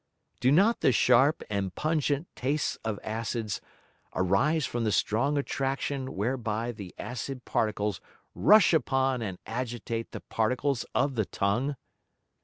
Do not the sharp and pungent Tastes of Acids arise from the strong Attraction whereby the acid Particles rush upon and agitate the Particles of the Tongue?